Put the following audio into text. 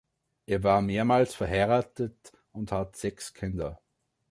Er war mehrmals verheiratet und hat sechs Kinder.